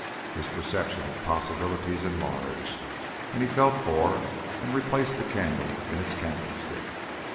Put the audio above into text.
His perception of possibilities enlarged, and he felt for and replaced the candle in its candlestick.